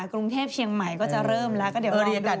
กรุงเทพเชียงใหม่ก็จะเริ่มแล้วก็เดี๋ยวมาเรียนกัน